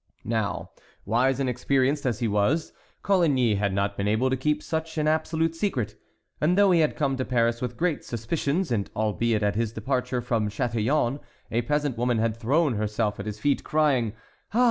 Now, wise and experienced as he was, Coligny had not been able to keep such an absolute secret; and, though he had come to Paris with great suspicions, and albeit at his departure from Chatillon a peasant woman had thrown herself at his feet, crying, "Ah!